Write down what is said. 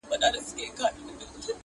دا نعمت خو د ګیدړ دی چي یې وخوري؛